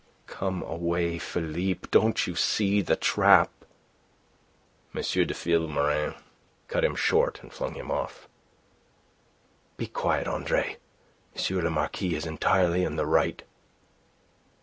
Come away, Philippe. Don't you see the trap..." M. de Vilmorin cut him short, and flung him off. "Be quiet, Andre. M. le Marquis is entirely in the right."